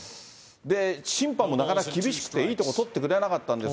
審判もなかなか厳しくて、いいとこ取ってくれなかったんです。